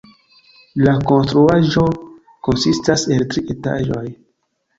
La konstruaĵo konsistas el tri etaĝoj.